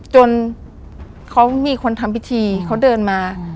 จนเขามีคนทำพิธีเขาเดินมา